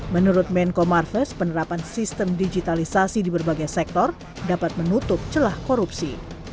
menurut menko marves penerapan sistem digitalisasi di berbagai sektor dapat menutup celah korupsi